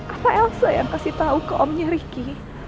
apa elsa yang kasih tahu ke omnya ricky